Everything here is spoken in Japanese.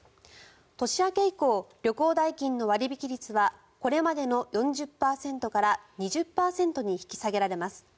年明け以降、旅行代金の割引率はこれまでの４０％から２０％に引き下げられます。